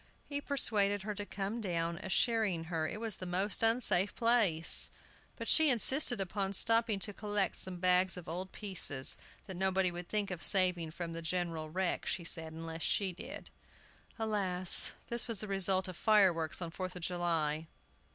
He persuaded her to come down, assuring her it was the most unsafe place; but she insisted upon stopping to collect some bags of old pieces, that nobody would think of saving from the general wreck, she said, unless she did. Alas! this was the result of fireworks on Fourth of July!